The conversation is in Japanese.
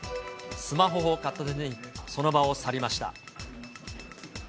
スマホを片手にその場を去りました。